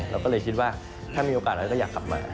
เราก็เลยคิดว่าถ้ามีโอกาสเราก็อยากกลับมา